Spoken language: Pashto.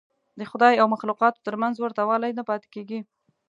د خدای او مخلوقاتو تر منځ ورته والی نه پاتې کېږي.